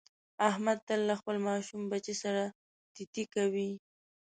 احمد تل له خپل ماشوم بچي سره تی تی کوي.